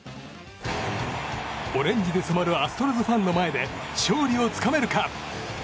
オレンジで染まるアストロズファンの前で勝利をつかめるか。